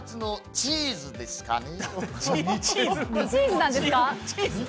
チーズなんですか？